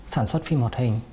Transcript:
sản xuất phim một hình